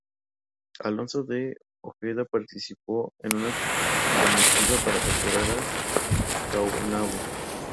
Alonso de Ojeda partió con una comitiva para capturar a Caonabo.